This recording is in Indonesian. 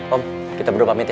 om kita berdua pamit ya